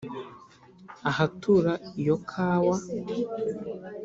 Ahatura iyo kawa